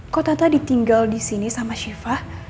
kok tante ditinggal disini sama siva